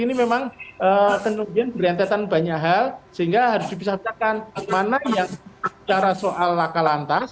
ini memang kemudian berantetan banyak hal sehingga harus dipisah pisahkan mana yang cara soal laka lantas